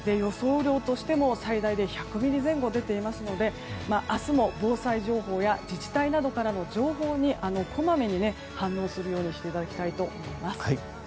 雨量としても最大で１００ミリ前後出ていますので明日も防災情報や自治体などからの情報にこまめに反応するようにしていただきたいと思います。